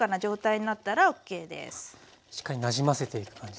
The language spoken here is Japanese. しっかりなじませていく感じですね。